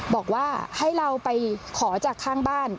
บอกว่าให้เราไปขอจากข้างบ้าน